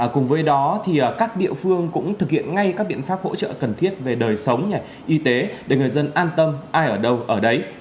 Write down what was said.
cùng với đó thì các địa phương cũng thực hiện ngay các biện pháp hỗ trợ cần thiết về đời sống y tế để người dân an tâm ai ở đâu ở đấy